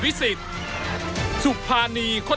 ชูเวทตีแสงหน้า